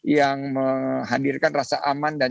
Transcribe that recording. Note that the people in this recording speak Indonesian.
yang menghadirkan rasa aman dan